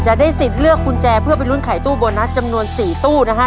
จะได้สิทธิ์เลือกกุญแจเพื่อไปลุ้นไขตู้โบนัสจำนวน๔ตู้นะฮะ